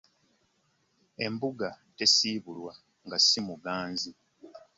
Embuga tesibulwa nga si muganzi .